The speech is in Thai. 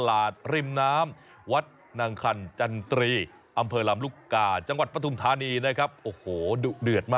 อ่าออกมาแล้ว